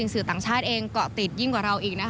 สื่อต่างชาติเองเกาะติดยิ่งกว่าเราอีกนะคะ